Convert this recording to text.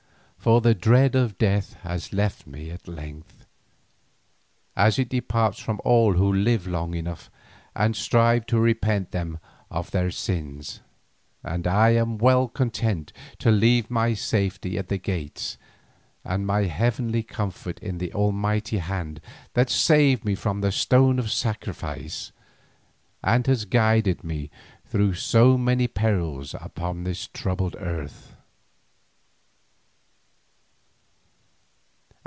For the dread of death has left me at length, as it departs from all who live long enough and strive to repent them of their sins, and I am well content to leave my safety at the Gates and my heavenly comfort in the Almighty Hand that saved me from the stone of sacrifice and has guided me through so many perils upon this troubled earth.